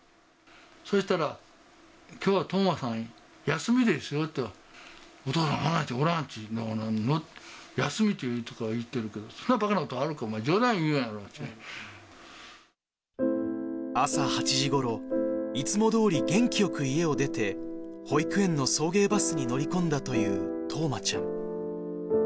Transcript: そしたら、きょうは冬生さん休みですよと、そんな、休みとかいっとるけど、そんなばかなことあるか、冗談言朝８時ごろ、いつもどおり元気よく家を出て、保育園の送迎バスに乗り込んだという冬生ちゃん。